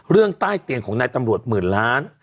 เรื่องใต้เตียงของนายตำรวจหมื่นล้าน